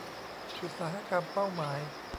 อุตสาหกรรมเป้าหมาย